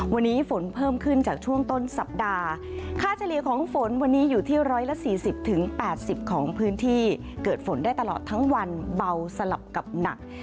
วันนี้ฝนเพิ่มขึ้นจากช่วงต้นสัปดาห์ค่าเฉลี่ยของฝนวันนี้อยู่ที่๑๔๐๘๐ของพื้นที่เกิดฝนได้ตลอดทั้งวันเบาสลับกับหนัก